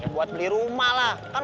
buat beli rumah lah kan lo tau semua